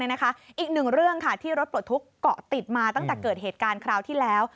อีกหนึ่งเรื่องค่ะที่รถปลดทุกข์เกาะติดมาตั้งแต่เกิดเหตุการณ์คราวที่แล้ว